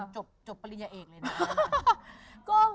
จบปริญญาเอกเลยนะ